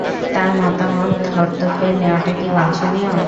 তার মতামত ধর্তব্যে নেওয়াটা কি বাঞ্ছনীয়?